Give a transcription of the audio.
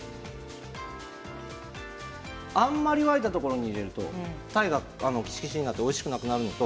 あんまり沸いたところに入れると鯛がきしきししておいしくなくなります。